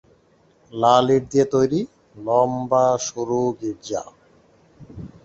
লাল ইট দিয়ে তৈরী, লম্বা, সরু গির্জা।